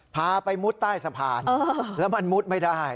พาไปมุดใต้สะพานแล้วมันมุดไม่ได้